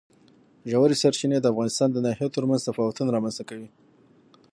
ژورې سرچینې د افغانستان د ناحیو ترمنځ تفاوتونه رامنځ ته کوي.